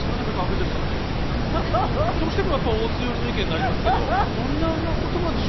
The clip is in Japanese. ハハハ！どうしてもやっぱオス寄りの意見になりますけど。